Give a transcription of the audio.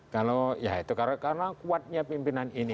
kalau ya itu karena kuatnya pimpinan ini